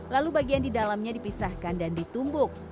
lalu bagian di dalamnya dipisahkan dan ditumbuk